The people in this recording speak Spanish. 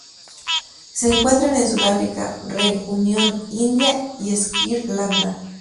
Se encuentran en Sudáfrica, Reunión, India y Sri Lanka.